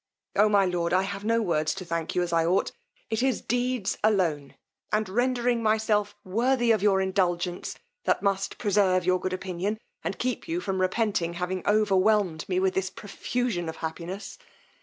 Oh my lord! I have no words to thank you as I ought! It is deeds alone, and rendering myself worthy of your indulgence, that must preserve your good opinion, and keep you from repenting having overwhelmed me with this profusion of happiness!